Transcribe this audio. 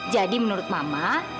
jadi menurut mama